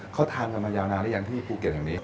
เขาทานกันมายาวนานหรือยังที่ภูเก็ตแห่งนี้